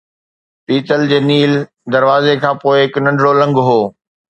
پيتل جي نيل دروازي کان پوءِ هڪ ننڍڙو لنگهه هو